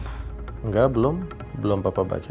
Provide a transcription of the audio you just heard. enggak belum belum papa baca